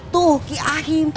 tuh ki ahim